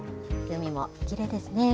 海もきれいですね。